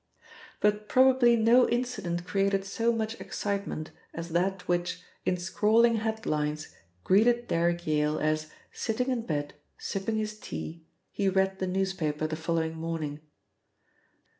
But probably no incident created so much excitement as that which, in scrawling headlines, greeted Derrick Yale as, sitting in bed sipping his tea, he read the newspaper the following morning.